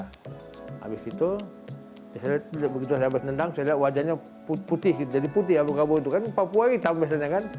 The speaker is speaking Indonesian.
habis itu saya lihat wajahnya putih jadi putih abdul qabo itu kan papua hitam biasanya kan